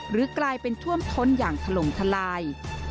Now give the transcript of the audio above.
หรือกลายเป็นท่วมท้นอย่างถล่มทลาย